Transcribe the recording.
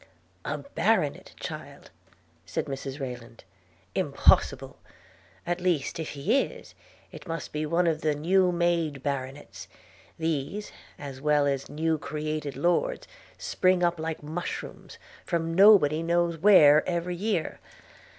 'A baronet, child!' said Mrs Rayland. 'Impossible! at least if he is, it must be one of the new made baronets: these, as well as new created lords, spring up like mushrooms, from nobody knows where, every year.